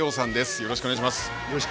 よろしくお願いします。